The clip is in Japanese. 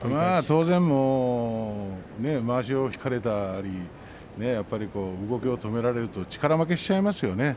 当然、まわしを引かれたり動きを止められると力負けをしてしまいます。